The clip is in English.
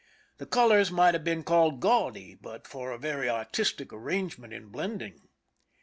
The colors might have been called gaudy but for a very artistic arrangement in blending.